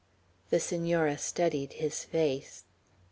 The Senora studied his face.